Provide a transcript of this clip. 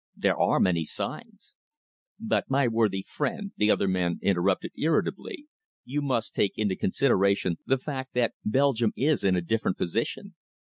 There are many signs " "But, my worthy friend," the other man interrupted irritably, "you must take into consideration the fact that Belgium is in a different position.